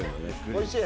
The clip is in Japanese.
おいしい？